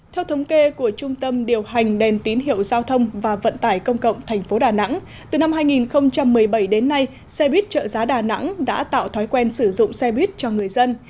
theo thống kê của trung tâm điều hành đèn tín hiệu giao thông và vận tải công cộng tp đà nẵng từ năm hai nghìn một mươi bảy đến nay xe buýt trợ giá đà nẵng đã tạo thói quen sử dụng xe buýt cho người dân